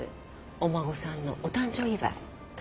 お孫さんのお誕生祝い。